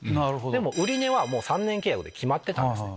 でも売値は３年契約で決まってたんですね。